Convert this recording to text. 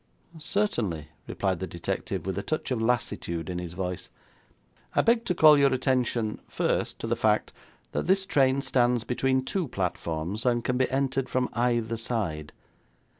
'Certainly,' replied the detective, with a touch of lassitude in his voice. 'I beg to call your attention, first, to the fact that this train stands between two platforms, and can be entered from either side.